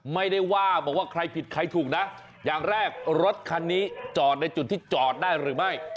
ไม่ได้ว่าบอกว่าใครผิดใครถูกนะอย่างแรกรถคันนี้จอดในจุดที่จอดได้หรือไม่